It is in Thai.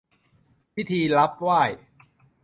พิธีรับไหว้